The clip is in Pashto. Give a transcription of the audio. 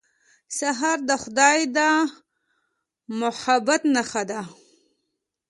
سهار د خدای د محبت نښه ده.